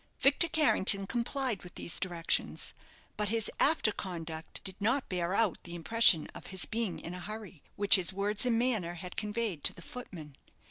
Victor Carrington complied with these directions, but his after conduct did not bear out the impression of his being in a hurry, which his words and manner had conveyed to the footman.